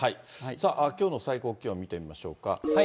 さあ、きょうの最高気温見てみましょうか。